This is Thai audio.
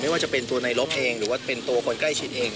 ว่าจะเป็นตัวในลบเองหรือว่าเป็นตัวคนใกล้ชิดเอง